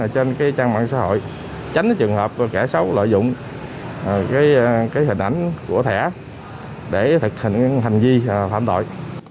trên trang mạng xã hội tránh trường hợp kẻ xấu lợi dụng hình ảnh của thẻ để thực hành hành vi phạm tội